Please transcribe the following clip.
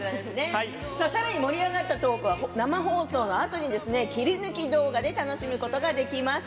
さらに盛り上がったトークは生放送のあとに切り抜き動画で楽しむことができます。